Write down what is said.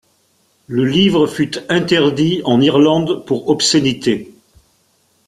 Le livre fut interdit en Irlande pour obscénités.